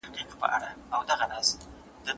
ګوندونه بايد ملي ګټي تر ګوندي ګټو لوړي وګڼي.